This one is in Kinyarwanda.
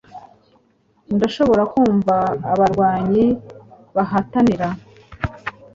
Ndashobora kumva abanywanyi bahatanira